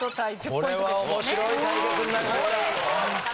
これは面白い対決になりました。